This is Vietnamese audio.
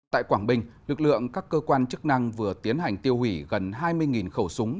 tại quảng bình lực lượng các cơ quan chức năng vừa tiến hành tiêu hủy gần hai mươi khẩu súng